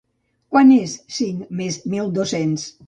Quant és cinc més mil dos-cents?